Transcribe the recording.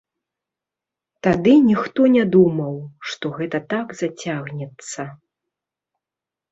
Тады ніхто не думаў, што гэта так зацягнецца.